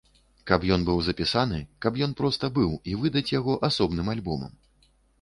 Каб ён быў запісаны, каб ён проста быў, і выдаць яго асобным альбомам.